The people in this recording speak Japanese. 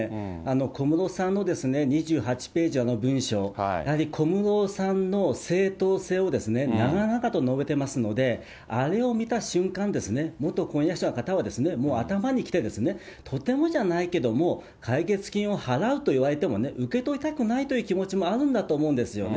小室さんの２８ページの文章、やはり小室さんの正当性を長々と述べてますので、あれを見た瞬間、元婚約者の方は、もう頭にきてですね、とてもじゃないけど、もう解決金を払うと言われても、受け取りたくないという気持ちもあるんだと思うんですよね。